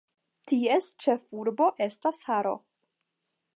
Ties ĉefurbo estas Haro.